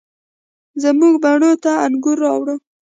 زموږ بڼوڼو ته انګور، راوړه،